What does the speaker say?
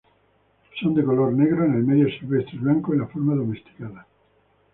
Son de color negro en el medio silvestre y blanco en la forma domesticada.